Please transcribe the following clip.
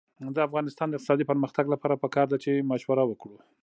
د افغانستان د اقتصادي پرمختګ لپاره پکار ده چې مشوره وکړو.